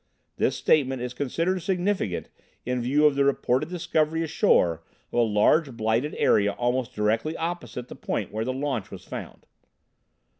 This statement is considered significant in view of the reported discovery ashore of a large blighted area almost directly opposite the point where the launch was found.